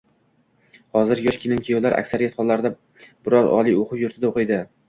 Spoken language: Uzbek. Hozir yosh kelin-kuyovlar aksariyat hollarda biror oliy oʻquv yurtida oʻqiydi